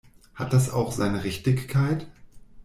Hat das auch seine Richtigkeit?